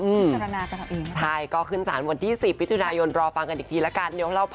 สุดท้ายก็ขึ้นสารวันที่๑๐วิทยุนายนรอฟังกันอีกทีละกัน